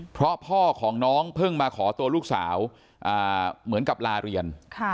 เพราะพ่อของน้องเพิ่งมาขอตัวลูกสาวเหมือนกับลาเรียน